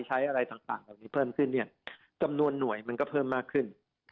อะไรต่างเหล่านี้เพิ่มขึ้นเนี่ยจำนวนหน่วยมันก็เพิ่มมากขึ้น